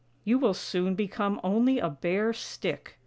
You will soon become only a bare stick.